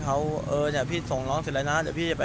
ก็ได้มาแต่ก็หมดสี่บาทอีก